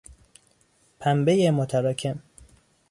پنبهی متراکم